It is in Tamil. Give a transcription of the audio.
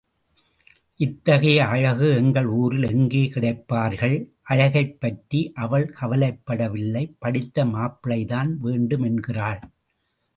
இத்தகைய அழகு எங்கள் ஊரில் எங்கே கிடைப்பார்கள்? அழகைப் பற்றி அவள் கவலைப்படவில்லை படித்த மாப்பிள்ளைதான் வேண்டும் என்கிறாள்.